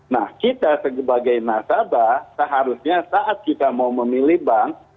nah kita sebagai nasabah seharusnya saat kita mau memilih bank